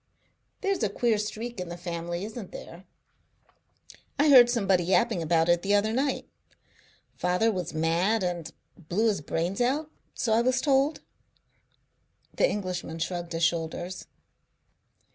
"There's a queer streak in the family, isn't there? I heard somebody yapping about it the other night. Father was mad and blew his brains out, so I was told." The Englishman shrugged his shoulders.